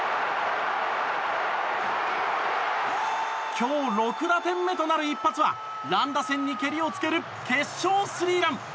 今日６打点目となる一発は乱打戦にケリをつける決勝スリーラン！